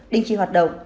đình chỉ hoạt động